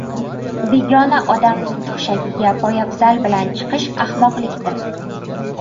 – begona odamning to‘shagiga poyabzal bilan chiqish ahmoqlikdir;